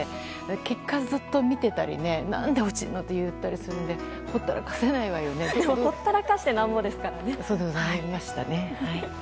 結果、ずっと見ていたり何で落ちるのと言ったりしてでもほったらかしてなんぼですからね。